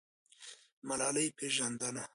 ملالۍ پیژنه.